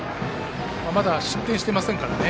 まだ失点していませんからね。